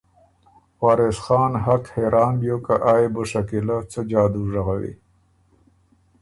وارث حق حېران بیوک که آ يې بو شکیلۀ څه جادُو ژغوی